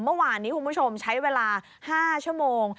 เมื่อวานนี้คุณผู้ชมใช้เวลา๕ชั่วโมง